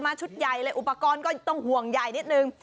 ชุดใหญ่เลยอุปกรณ์ก็ต้องห่วงใหญ่นิดนึง